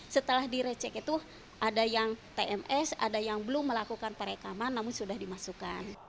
setelah direcek itu ada yang tms ada yang belum melakukan perekaman namun sudah dimasukkan